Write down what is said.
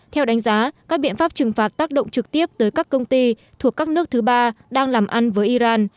theo đánh giá các biện pháp trừng phạt tác động trực tiếp tới các công ty thuộc các nước thứ ba đang làm ăn với iran